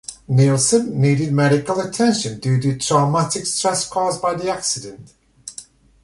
Nielsen needed medical attention due to traumatic stress caused by the accident.